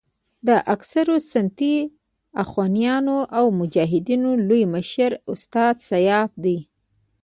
د اکثرو سنتي اخوانیانو او مجاهدینو لوی مشر استاد سیاف دی.